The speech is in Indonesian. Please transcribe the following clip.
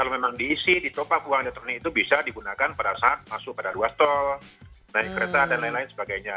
kalau memang diisi ditopak uang elektronik itu bisa digunakan pada saat masuk pada ruas tol naik kereta dan lain lain sebagainya